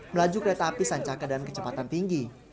melaju kereta api sancaka dengan kecepatan tinggi